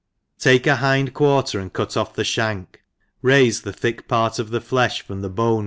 TAKE a hind quarter and cut off the fhank, raife the thick part of the flefli from the bone